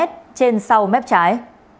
trên sau mép trái